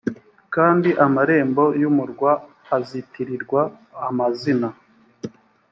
kandi amarembo y umurwa azitirirwa amazina